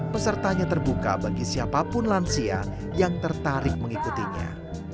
pesertanya terbuka bagi siapapun lansia yang tertarik mengikutinya